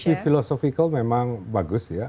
dari sisi filosofi memang bagus ya